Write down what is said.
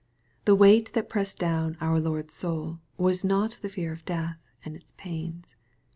The weight that pressed down our Lord's soul, was not the fear of death, and its pains.